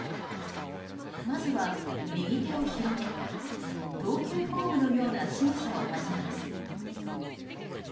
まずは右手を広げ投球フォームのようなしぐさを始めます。